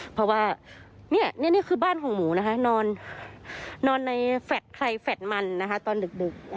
เพราะว่าเนี่ยนี่คือบ้านของหมูนะครับนอนในใครแฟดมันตอนดึก